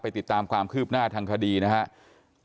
ติดตามความคืบหน้าทางคดีนะครับ